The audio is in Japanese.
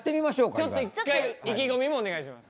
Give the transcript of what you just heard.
ちょっと一回意気込みもお願いします。